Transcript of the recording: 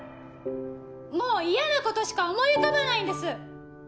もう嫌なことしか思い浮かばないんです！